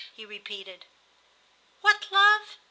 he repeated. "What love?"